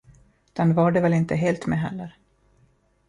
Den var det väl inte helt med heller.